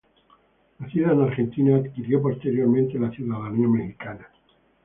Nacida en Argentina, adquirió posteriormente la ciudadanía mexicana.